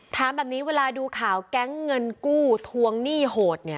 ถามแบบนี้เวลาดูข่าวแก๊งเงินกู้ทวงหนี้โหด